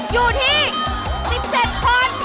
อยู่ที่๑๗คน